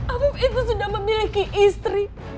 abu itu sudah memiliki istri